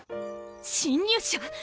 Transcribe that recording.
侵入者